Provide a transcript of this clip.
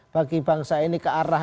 bagi bangsa ini kearah